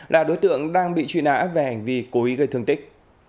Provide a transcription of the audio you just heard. là đối tượng đang bị truy nã về hành vi cố ý gây thương tích